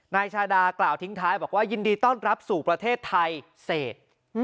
นายชาดากล่าวทิ้งท้ายบอกว่ายินดีต้อนรับสู่ประเทศไทยเศษ